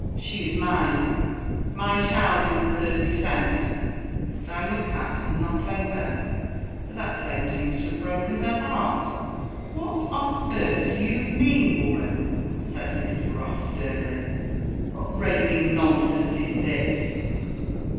She is mine— my child in the third descent ; could I look at, and not claim her ? But that claim seems to have broken her heart." •* What on earth do you mean, woman?" said Mr. CrofI sternly ;•* what raving nonsense is this